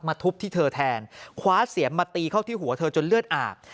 ทุบที่เธอแทนคว้าเสียมมาตีเข้าที่หัวเธอจนเลือดอาบ